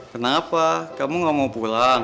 kenapa kamu gak mau pulang